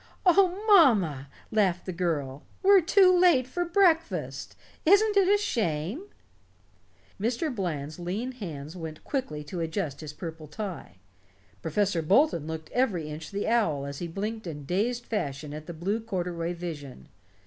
"Oh, mamma," laughed the girl, "we're too late for breakfast! Isn't it a shame?" Mr. Bland's lean hands went quickly to adjust his purple tie. Professor Bolton looked every inch the owl as he blinked in dazed fashion at the blue corduroy vision.